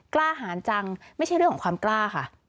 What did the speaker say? กล้าหารจังไม่ใช่เรื่องของความกล้าค่ะ